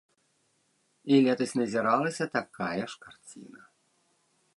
І летась назіралася такая ж карціна.